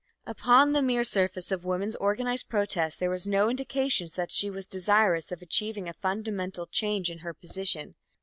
Upon the mere surface of woman's organized protests there were no indications that she was desirous of achieving a fundamental change in her position.